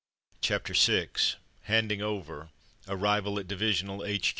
'' CHAPTER VI HANDING OVER ARRIVAL AT DIVISIONAL H.